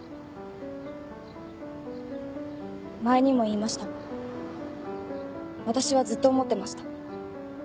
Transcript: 前にも言いましたが私はずっと思ってました。